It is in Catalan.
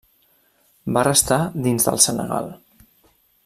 Va restar dins del Senegal.